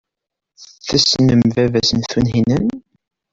Tessnem baba-s n Tunhinan.